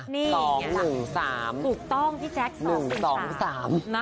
นี่สองหนึ่งสามถูกต้องที่แจ็คซอสสินสาม